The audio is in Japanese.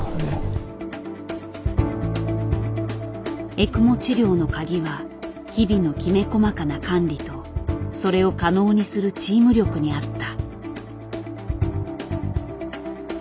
エクモ治療の鍵は日々のきめ細かな管理とそれを可能にするチーム力にあった。